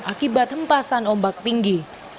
akibat hempasan ombak tinggi